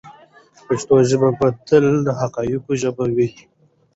پښتو ژبه به تل د حقایقو ژبه وي.